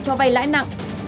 cho vay lãi năng